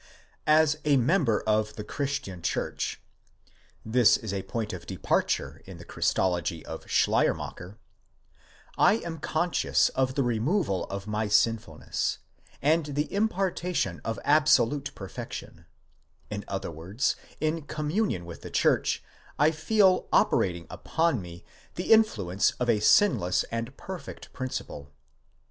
As a member of the Christian church—this is the point of departure in the Christology of Schleiermacher*—I am conscious of the removal of my sinfulness, and the impartation of absolute perfection: in other words, in communion with the church, I feel operating upon me the influence of a sin less and perfect principle.